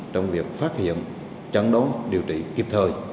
trong việc phát hiện chấn đấu điều trị kịp thời